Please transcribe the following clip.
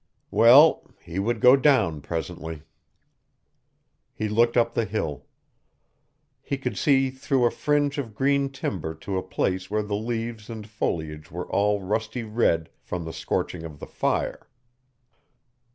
Well, he would go down presently. He looked up the hill. He could see through a fringe of green timber to a place where the leaves and foliage were all rusty red from the scorching of the fire.